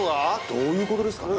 どういうことですかね？